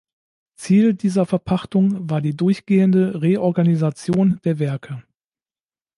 Ziel dieser Verpachtung war die durchgehende Reorganisation der Werke.